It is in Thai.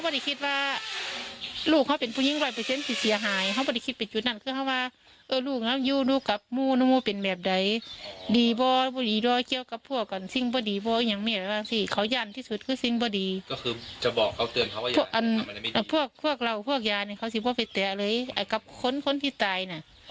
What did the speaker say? พวกเราพวกยาเนี้ยเขาคิดว่าไปแตะเลยอ่ะกับคนคนที่ตายน่ะ